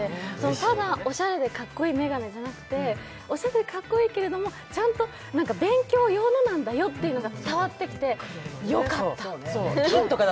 ただおしゃれでかっこいい眼鏡じゃなくて、おしゃれでかっこいいけれども、ちゃんと勉強用のなんだよというのが伝わってきてよかった。